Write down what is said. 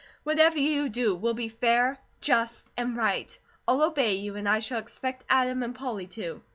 Whatever you do will be fair, just, and right. I'll obey you, as I shall expect Adam and Polly to."